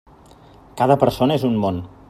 Cada persona és un món.